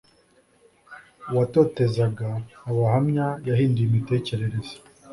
uwatotezaga abahamya yahinduye imitekerereze